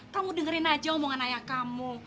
kamu dengerin aja omongan ayah kamu